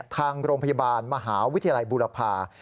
ทางโรงพยาบาลมหาวิทยาลัยบุรพา